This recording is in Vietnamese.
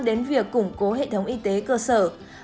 đến việc củng cố hệ thống y tế cơ sở